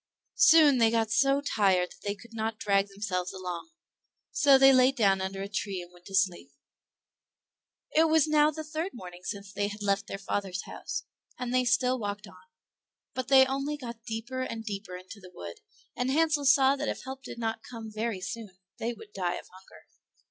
Soon they got so tired that they could not drag themselves along, so they laid down under a tree and went to sleep. It was now the third morning since they had left their father's house, and they still walked on; but they only got deeper and deeper into the wood, and Hansel saw that if help did not come very soon they would die of hunger.